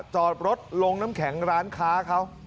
จอดรถลงน้ำแข็งร้านค้าเขา